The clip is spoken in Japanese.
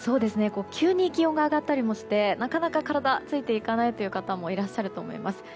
急に気温が上がったりもしてなかなか体がついていかない方もいらっしゃると思います。